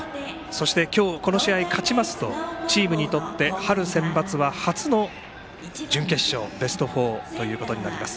そして、今日この試合、勝ちますとチームにとって春センバツは初の準決勝ベスト４ということになります